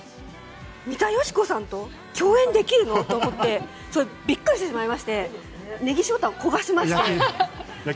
三田佳子さんと共演できるの？と思ってビックリしてしまいましてネギ塩タン、焦がしまして。